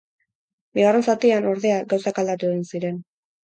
Bigarren zatian, ordea, gauzak aldatu egin ziren.